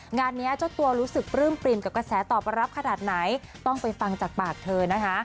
งานนี้เจ้าตัวรู้สึกปลื้มปริ่มกับกระแสตอบรับขนาดไหนต้องไปฟังจากปากเธอนะคะ